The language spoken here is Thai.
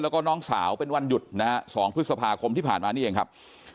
แล้วก็น้องสาวเป็นวันหยุดนะฮะ๒พฤษภาคมที่ผ่านมานี่เองครับ